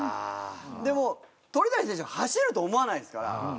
でもう鳥谷選手が走ると思わないですから。